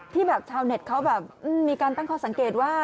ที่ชาวเมืองเคาอยู่นี้มีการตั้งความสังเกตว่า